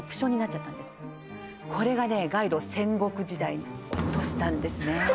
これがねガイド戦国時代に落としたんですね